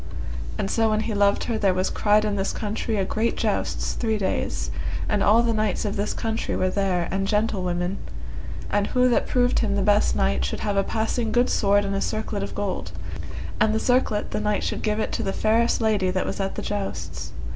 And so when he loved her there was cried in this country a great jousts three days, and all the knights of this country were there and gentlewomen, and who that proved him the best knight should have a passing good sword and a circlet of gold, and the circlet the knight should give it to the fairest lady that was at the jousts.